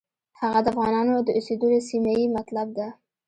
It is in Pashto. هغه د افغانانو د اوسېدلو سیمه یې مطلب ده.